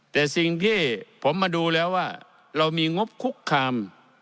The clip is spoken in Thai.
แต่สิ่งที่ผมมาดูแล้วว่าเรามีงบคุกคาม